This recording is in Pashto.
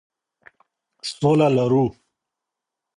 سوله لرو.